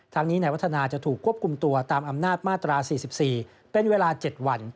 นี้นายวัฒนาจะถูกควบคุมตัวตามอำนาจมาตรา๔๔เป็นเวลา๗วัน